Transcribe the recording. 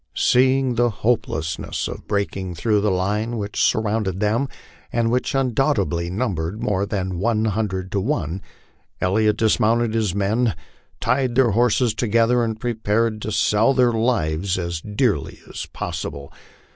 Seeing the hopelessness of breaking through the line which surrounded them, and which undoubtedly numbered more than one hundred to one, Elliott dismounted his men, tied their horses together, and prepared to sell their lives as dearly as possible.